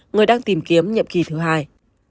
người đang tìm kiếm nhiệm kỳ thứ hai